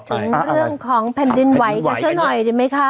มาถึงเรื่องของแผ่นดินไหว้กันสักหน่อยดิมั้ยคะ